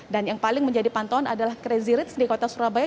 dan yang paling menjadi pantauan adalah crazy reads di kota surabaya